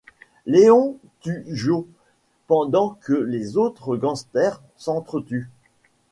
Léo tue Jo, pendant que les autres gangsters s'entre-tuent.